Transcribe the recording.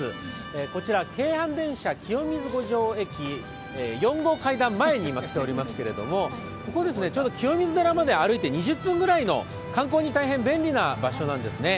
こちら京阪電車・清水五条駅４号階段前に今来ておりますけどここ、ちょうど清水寺まで歩いて２０分ぐらいの観光に便利な場所ですね。